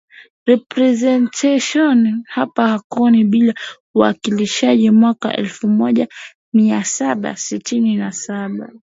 representation hapana kodi bila uwakilishi Mwaka elfumoja miasaba sitini na Saba